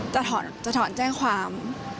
จะถอนแจ้งความ